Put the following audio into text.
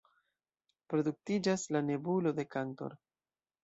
Produktiĝas la “nebulo de "Cantor"”.